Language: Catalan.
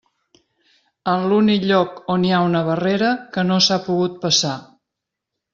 En l'únic lloc on hi ha una barrera que no s'ha pogut passar *.